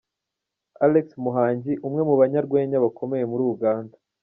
Alex Muhangi, umwe mubanyarwenya bakomeye muri Uganda.